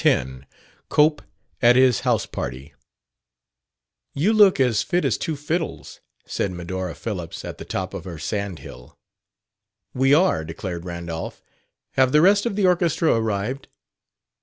10 COPE AT HIS HOUSE PARTY "You look as fit as two fiddles," said Medora Phillips, at the top of her sandhill. "We are," declared Randolph. "Have the rest of the orchestra arrived?"